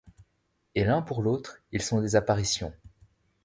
Et l’un pour l’autre ils sont des apparitions.